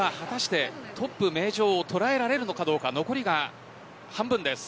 トップで名城を捉えられるか残りが半分です。